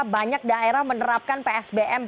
banyak daerah menerapkan psbm